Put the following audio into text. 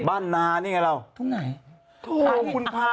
บ้านนาอยู่ที่นครนายก